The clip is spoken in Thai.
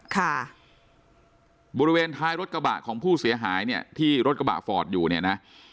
ค่ะบริเวณท้ายรถกระบะของผู้เสียหายเนี่ยที่รถกระบะฟอร์ดอยู่เนี่ยนะ